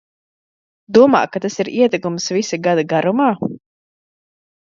Domā, ka tas ir iedegums visa gada garumā?